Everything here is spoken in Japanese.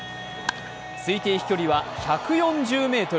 推定飛距離は１４０ｍ。